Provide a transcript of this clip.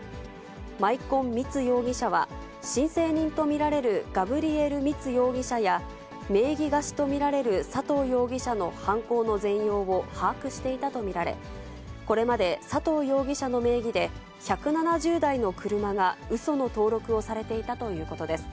マイコン・ミツ容疑者は、申請人と見られるガブリエル・ミツ容疑者や、名義貸しと見られる佐藤容疑者の犯行の全容を把握していたと見られ、これまで、佐藤容疑者の名義で１７０台の車がうその登録をされていたということです。